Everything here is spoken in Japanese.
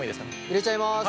入れちゃいます。